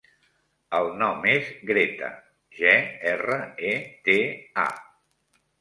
El nom és Greta: ge, erra, e, te, a.